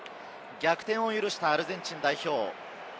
逆転を許したアルゼンチン代表。